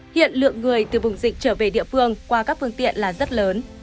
hiện lượng người từ vùng dịch trở về địa phương qua các phương tiện là rất lớn